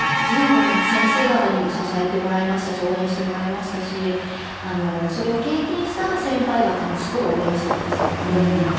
随分先生方にも支えてもらいましたし応援してもらいましたしそれを経験した先輩方もすごい応援してくださって。